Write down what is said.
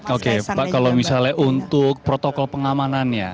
oke pak kalau misalnya untuk protokol pengamanannya